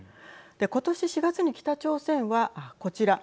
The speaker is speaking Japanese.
今年４月に北朝鮮はこちら。